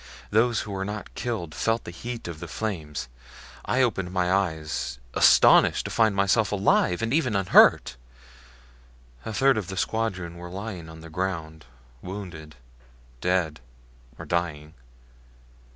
Those who were not killed felt the heat of the flames. I opened my eyes, astonished to find myself alive and even unhurt; a third of the squadron were lying on the ground, wounded, dead or dying.